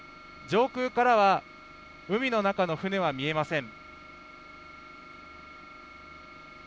上空からは海の中の船は見えません。